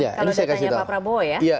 kalau datanya pak prabowo ya